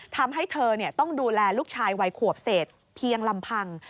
ทำให้เธอต้องดูแลลูกชายวัยขวบเศษเพียงลำพัง